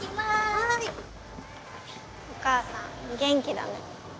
はーいお母さん元気だね